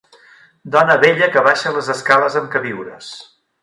Dona vella que baixa les escales amb queviures.